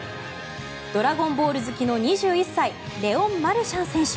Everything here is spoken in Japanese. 「ドラゴンボール」好きの２１歳レオン・マルシャン選手。